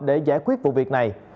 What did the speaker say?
để giải quyết vụ việc này